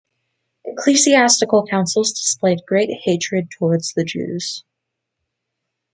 Ecclesiastical councils displayed great hatred toward the Jews.